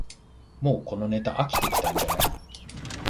もうこのネタ飽きてきたんじゃない